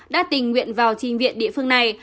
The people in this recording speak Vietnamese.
đã tình nguyện vào trình viện địa phương này